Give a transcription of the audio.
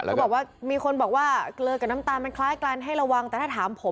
เขาบอกว่ามีคนบอกว่าเกลือกับน้ำตาลมันคล้ายกันให้ระวังแต่ถ้าถามผม